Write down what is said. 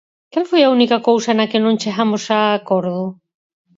¿Cal foi a única cousa na que non chegamos a acordo?